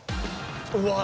うわ。